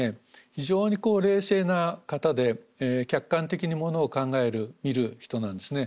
非常に冷静な方で客観的にものを考える見る人なんですね。